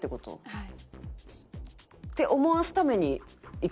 はい。